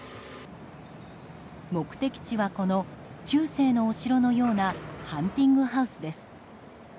目的地はこの中世のお城のようなハンティングハウスです。